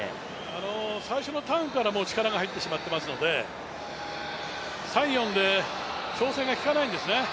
最初のターンから力が入ってしまってますから３、４で調整がきかないんですね。